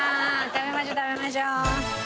食べましょう食べましょう。